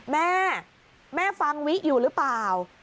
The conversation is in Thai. แม่แม่ฟังวิอยู่หรือเปล่า